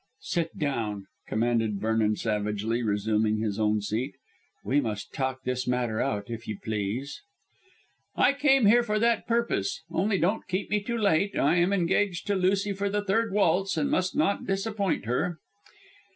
"Sit down," commanded Vernon savagely, resuming his own seat. "We must talk this matter out, if you please." "I came here for that purpose. Only don't keep me too late. I am engaged to Lucy for the third waltz, and must not disappoint her."